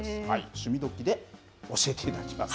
趣味どきっ！で教えていただきます。